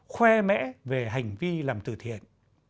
khoe mẽ về hành vi làm từ thiện